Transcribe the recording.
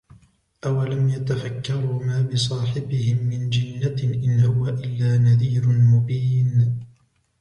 أَوَلَمْ يَتَفَكَّرُوا مَا بِصَاحِبِهِمْ مِنْ جِنَّةٍ إِنْ هُوَ إِلَّا نَذِيرٌ مُبِينٌ